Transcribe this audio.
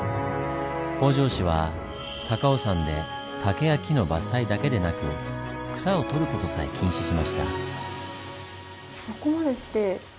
北条氏は高尾山で竹や木の伐採だけでなく草をとる事さえ禁止しました。